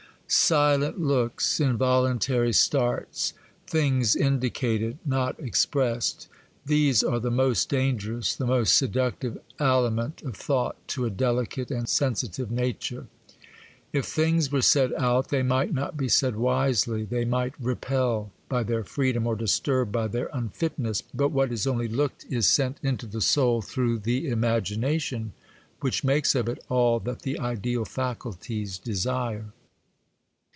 Silent looks, involuntary starts, things indicated, not expressed—these are the most dangerous, the most seductive aliment of thought to a delicate and sensitive nature. If things were said out, they might not be said wisely,—they might repel by their freedom, or disturb by their unfitness; but what is only looked is sent into the soul through the imagination, which makes of it all that the ideal faculties desire.